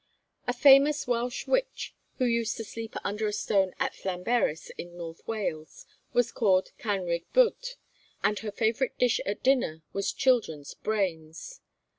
A famous Welsh witch, who used to sleep under a stone at Llanberis, in North Wales, was called Canrig Bwt, and her favourite dish at dinner was children's brains.